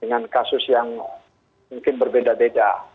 dengan kasus yang mungkin berbeda beda